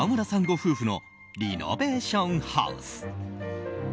ご夫婦のリノベーションハウス。